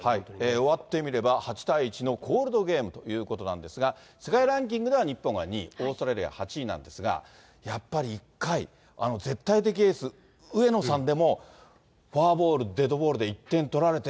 終わってみれば８対１のコールドゲームということなんですが、世界ランキングでは日本が２位、オーストラリア８位なんですが、やっぱり１回、絶対的エース、上野さんでも、フォアボール、デッドボールで１点取られて、